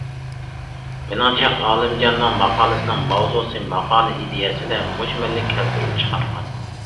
مېنىڭچە، ئالىمجاننىڭ ماقالىسىنىڭ ماۋزۇسى ماقالە ئىدىيەسىدە مۈجمەللىك كەلتۈرۈپ چىقارغان.